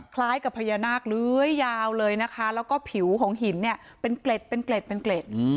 คล้ายกับพญานาคเลื้อยยาวเลยนะคะแล้วก็ผิวของหินเนี่ยเป็นเกล็ดเป็นเกล็ดเป็นเกล็ด